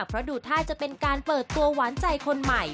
เพราะดูท่าจะเป็นการเปิดตัวหวานใจคนใหม่